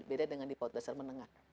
beda dengan di paut dasar menengah